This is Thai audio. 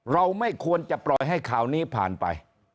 เราไม่ควรจะปล่อยให้ข่าวนี้ผ่านไป